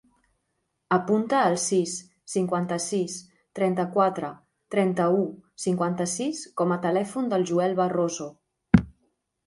Apunta el sis, cinquanta-sis, trenta-quatre, trenta-u, cinquanta-sis com a telèfon del Joel Barroso.